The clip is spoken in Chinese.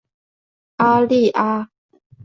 阿利阿。